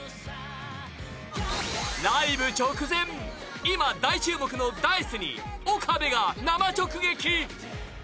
ライブ直前今、大注目のＤａ−ｉＣＥに岡部が生直撃。